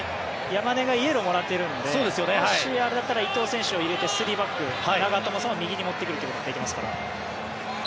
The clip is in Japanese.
山根がイエローをもらっているので伊藤選手を入れて３バック長友さんを右に持ってくることもできますから。